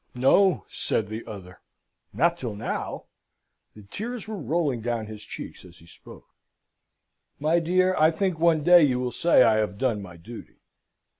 "No," said the other, "not till now" the tears were rolling down his cheeks as he spoke. "My dear, I think one day you will say I have done my duty."